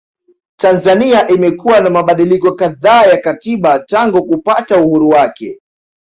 Tanzania imekuwa na mabadiliko kadhaa ya katiba tangu kupata uhuru wake